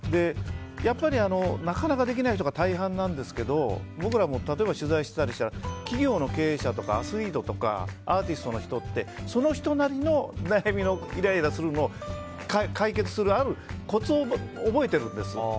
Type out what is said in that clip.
やっぱり、なかなかできない人が大半なんですけど僕らも取材していたりすると企業の経営者とかアスリートとかアーティストの人ってその人なりの悩みのイライラするのを解決するコツを覚えているんです。